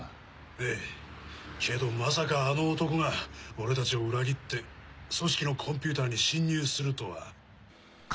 ええけどまさかあの男が俺たちを裏切って組織のコンピューターに侵入するとは。